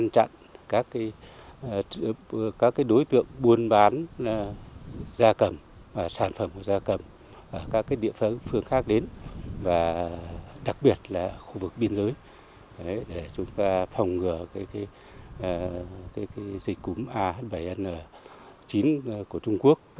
các đối tượng buôn bán gia cầm sản phẩm gia cầm ở các địa phương khác đến đặc biệt là khu vực biên giới để chúng ta phòng ngừa dịch cúng ah bảy n chín của trung quốc